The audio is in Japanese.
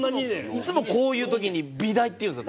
いつもこういう時に「美大」って言うんですよ。